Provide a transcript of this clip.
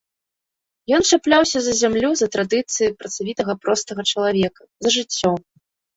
Ён чапляўся за зямлю, за традыцыі працавітага простага чалавека, за жыццё.